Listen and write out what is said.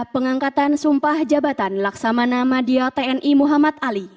pengangkatan sumpah jabatan laksamana madia tni muhammad ali